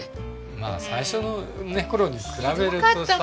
まあ最初の頃に比べるとさ。